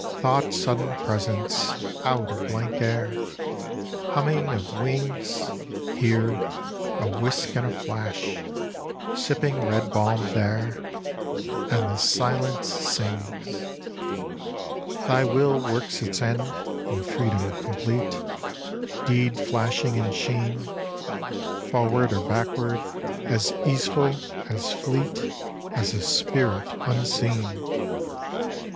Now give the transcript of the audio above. Thought sudden presence Out of blank air Humming of wings! Here a whisk and a flash! Sipping red balm there And the silence sings. Thy will works its end In freedom complete, Deed flashing in sheen; Forward or backward As easeful, as fleet, As a spirit unseen.